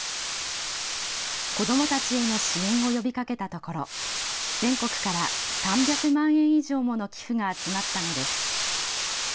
子どもたちへの支援を呼びかけたところ全国から３００万円以上もの寄付が集まったのです。